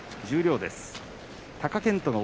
十両です。